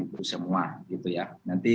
itu semua nanti